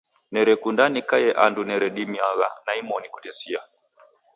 Nerekunda nikaie andu neredimagha na nimoni kutesia.